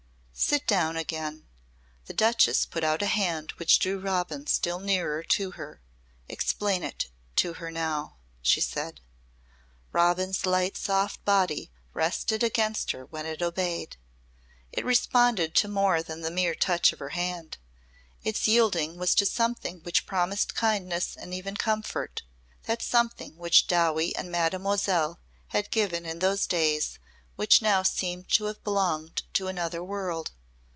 "Sit down again." The Duchess put out a hand which drew Robin still nearer to her. "Explain to her now," she said. Robin's light soft body rested against her when it obeyed. It responded to more than the mere touch of her hand; its yielding was to something which promised kindness and even comfort that something which Dowie and Mademoiselle had given in those days which now seemed to have belonged to another world.